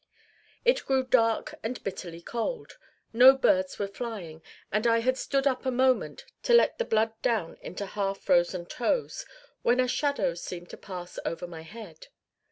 It grew dark and bitterly cold. No birds were flying, and I had stood up a moment to let the blood down into half frozen toes, when a shadow seemed to pass over my head.